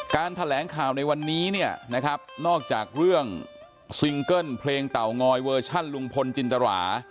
แถลงข่าวในวันนี้เนี่ยนะครับนอกจากเรื่องซิงเกิ้ลเพลงเตางอยเวอร์ชันลุงพลจินตรา